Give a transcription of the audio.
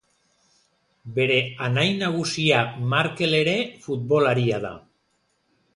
Bere anai nagusia Markel ere futbolaria da.